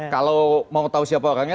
kalau mau tahu siapa orangnya